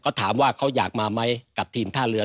ก็ถามว่าเขาอยากมาไหมกับทีมท่าเรือ